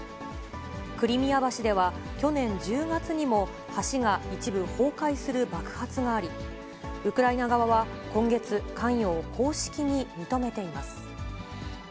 クリミア橋では去年１０月にも、橋が一部崩壊する爆発があり、ウクライナ側は今月、関与を公式に認めています。